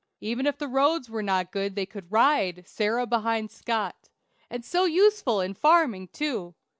Even if the roads were not good they could ride, Sarah behind Scott. And so useful in farming, too.